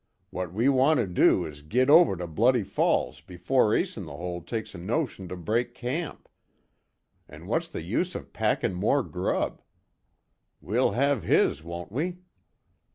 What we want to do is to git over to Bloody Falls before Ace In The Hole takes a notion to break camp. An' what's the use of packin' more grub? We'll have his won't we?"